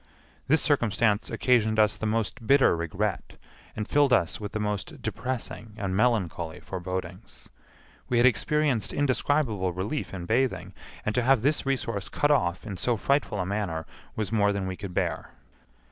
This circumstance occasioned us the most bitter regret and filled us with the most depressing and melancholy forebodings. We had experienced indescribable relief in bathing, and to have this resource cut off in so frightful a manner was more than we could bear.